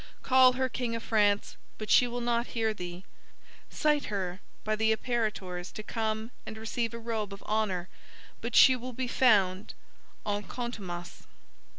Call her, King of France, but she will not hear thee! Cite her by thy apparitors to come and receive a robe of honor, but she will be found en contumace.